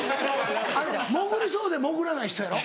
あの潜りそうで潜らない人やろ？